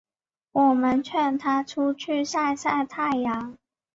我们劝她出去晒晒太阳